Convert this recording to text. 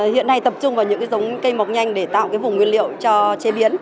hiện nay tập trung vào những cái giống cây mọc nhanh để tạo cái vùng nguyên liệu cho chế biến